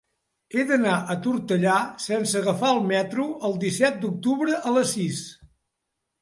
He d'anar a Tortellà sense agafar el metro el disset d'octubre a les sis.